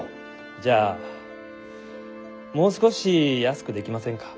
じゃあもう少し安くできませんか？